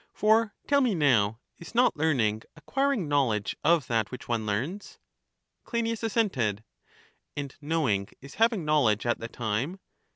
For tell me now, is not learning acquiring knowledge of that which one learns? Cleinias assented. And knowing is having knowledge at the time?